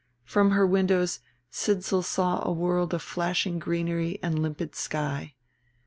From her windows Sidsall saw a world of flashing greenery and limpid sky.